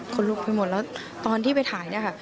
คนลุกไปหมดแล้วตอนที่ไปถ่ายเนี่ยค่ะ